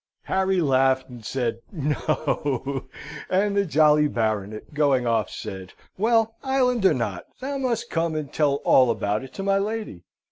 Harry laughed, and said "No!" And the jolly Baronet, going off, said, "Well, island or not, thou must come and tell all about it to my lady.